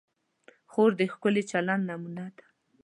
خور د ښکلي چلند نمونه ده.